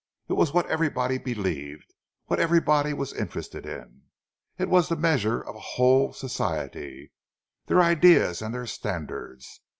It was what everybody believed—what everybody was interested in! It was the measure of a whole society—their ideals and their standards!